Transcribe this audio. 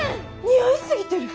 似合い過ぎてる！